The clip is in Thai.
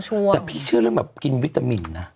แต่พี่เชื่อเรื่องแบบกินวิตามินนะ